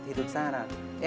thì thực ra là